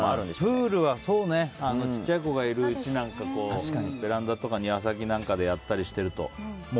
プールはちっちゃい子がいるうちなんかベランダとか庭先とかでやったりしてると。